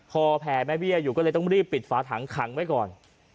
พอแผ่แม่เบี้ยอยู่ก็เลยต้องรีบปิดฝาถังขังไว้ก่อน